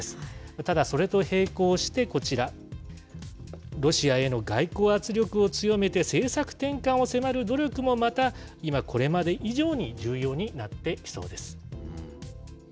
ただ、それと並行してこちら、ロシアへの外交圧力を強めて、政策転換を迫る努力もまた、今、これまで以上に重要になってきそうです。